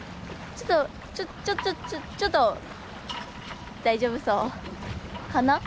ちょっとちょっと大丈夫そうかな？